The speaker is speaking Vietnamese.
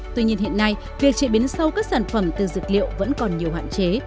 tuy nhiên hiện nay việc trị biến sâu các sản phẩm từ dược liệu vẫn còn nhiều hoạn chế